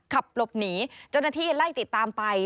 ขับปลบหนีจนอาทีไล่ติดตามไป